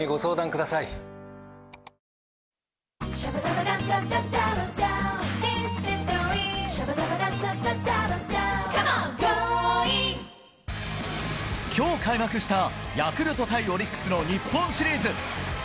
この後きょう開幕したヤクルト対オリックスの日本シリーズ。